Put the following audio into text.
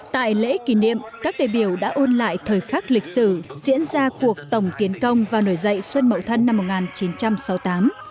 tại lễ kỷ niệm các đại biểu đã ôn lại thời khắc lịch sử diễn ra cuộc tổng tiến công và nổi dậy xuân mậu thân năm một nghìn chín trăm sáu mươi tám